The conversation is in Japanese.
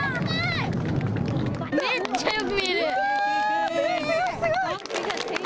めっちゃよく見える。